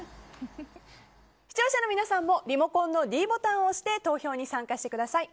視聴者の皆さんもリモコンのｄボタンを押して投票に参加してください。